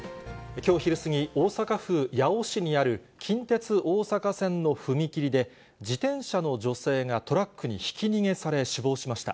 きょう昼過ぎ、大阪府八尾市にある近鉄大阪線の踏切で、自転車の女性がトラックにひき逃げされ、死亡しました。